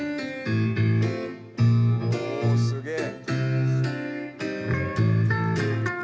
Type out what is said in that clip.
おすげえ。